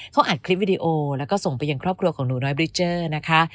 เขาอัดคลิปวิดีโอแล้วก็ส่งไปยังครอบครัวของหนูน้อยบริเจอร์นะคะ